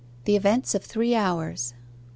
THE EVENTS OF THREE HOURS 1.